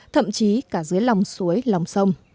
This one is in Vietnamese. thậm chí cả dưới lòng suối lòng sông